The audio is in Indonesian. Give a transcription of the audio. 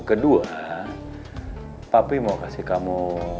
kedua tapi mau kasih kamu